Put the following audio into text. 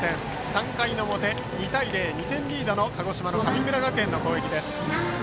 ３回の表、２対０と２点リードの鹿児島・神村学園の攻撃。